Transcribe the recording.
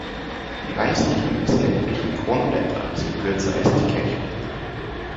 Die weißlichen bis gelblichen Kronblätter sind kürzer als die Kelchblätter.